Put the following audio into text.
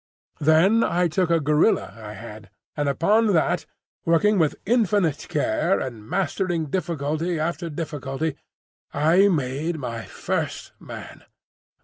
"Then I took a gorilla I had; and upon that, working with infinite care and mastering difficulty after difficulty, I made my first man.